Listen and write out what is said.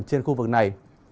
trên khu vực này